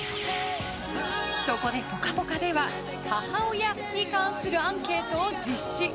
そこで、「ぽかぽか」では母親に関するアンケートを実施。